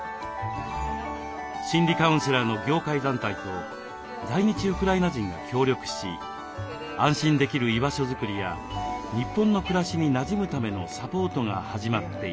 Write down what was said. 心理カウンセラーの業界団体と在日ウクライナ人が協力し安心できる居場所作りや日本の暮らしになじむためのサポートが始まっています。